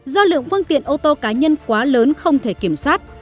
do lượng phương tiện ô tô cá nhân quá lớn không thể kiểm soát